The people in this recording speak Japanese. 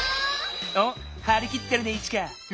おっはりきってるねイチカ。